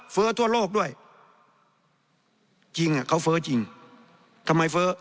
ทั่วโลกด้วยจริงอ่ะเขาเฟ้อจริงทำไมเฟ้อ